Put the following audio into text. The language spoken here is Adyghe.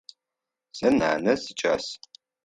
Сэ нанэ сикӏас.